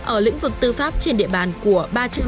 ở lĩnh vực tư pháp trên địa bàn của ba trăm năm mươi